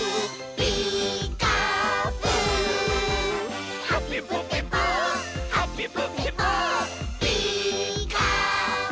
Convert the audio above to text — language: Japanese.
「ピーカーブ！」